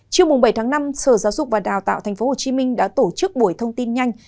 chiều bảy tháng năm sở giáo dục và đào tạo tp hcm đã tổ chức buổi thông tin nhanh